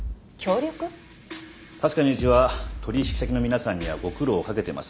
確かにうちは取引先の皆さんにはご苦労を掛けてます。